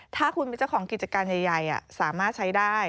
ถ้าคุณเป็นเจ้าของกิจการใหญ่สามารถใช้ได้